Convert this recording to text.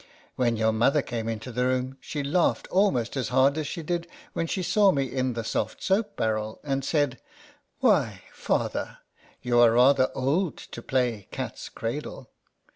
When your mother came into the room she laughed almost as hard as she did when she saw me in the soft soap barrel, and said, " Why, father, you are rather old to play cat's cradle